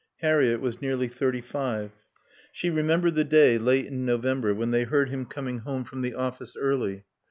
Harriett was nearly thirty five. She remembered the day, late in November, when they heard him coming home from the office early.